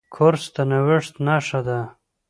کورس د نوښت نښه ده.